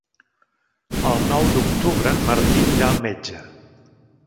El nou d'octubre en Martí anirà al metge.